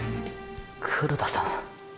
黒田さん！！